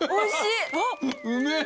うめえ！